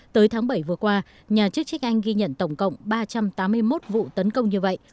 tới tháng bảy vừa qua nhà chức trách anh ghi nhận tổng cộng ba trăm tám mươi một vụ tấn công như vậy